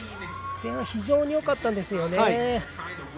前半非常によかったんですよね。